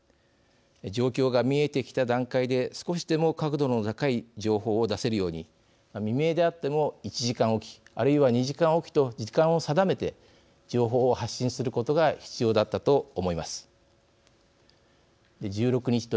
状況が見えてきた段階で少しでも確度の高い情報を出せるように未明であっても１時間おきあるいは２時間おきと時間を定めて情報を発信することが必要だったと思います。